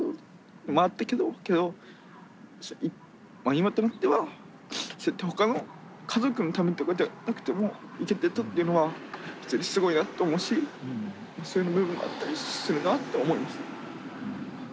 今となってはそうやって他の家族のためとかじゃなくても行けてたっていうのは普通にすごいなと思うしそういう部分もあったりするなと思います。